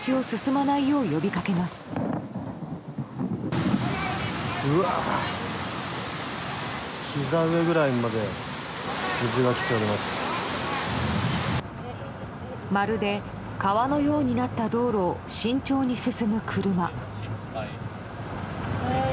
まるで川のようになった道路を慎重に進む車。